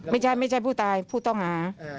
ไม่ใช่ไม่ใช่ผู้ตายผู้ต้องหา